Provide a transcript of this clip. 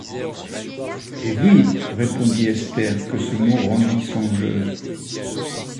Et vive! répondit Esther que ce mot rendit songeuse.